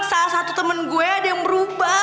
salah satu temen gue ada yang berubah